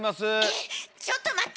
えっちょっと待って！